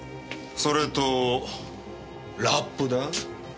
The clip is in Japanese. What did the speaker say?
それとラップだ。